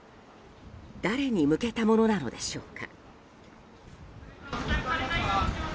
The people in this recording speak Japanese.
誰に向けたものなのでしょうか。